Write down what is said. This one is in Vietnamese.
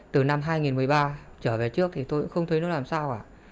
từ năm hai nghìn một mươi ba trở về trước thì tôi cũng không thấy nó làm sao cả